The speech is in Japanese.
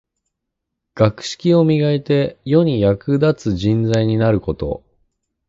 学識を磨いて、世に役立つ人材になること。